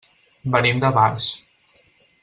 Venim de Barx.